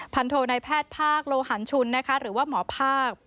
โทนายแพทย์ภาคโลหันชุนนะคะหรือว่าหมอภาค